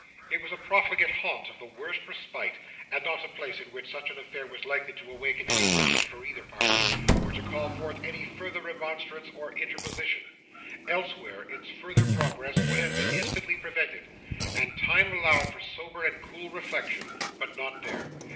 It was a profligate haunt of the worst repute, and not a place in which such an affair was likely to awaken any sympathy for either party, or to call forth any further remonstrance or interposition. Elsewhere, its further progress would have been instantly prevented, and time allowed for sober and cool reflection; but not there.